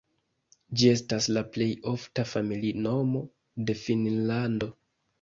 Ĝi estas la plej ofta familinomo de Finnlando.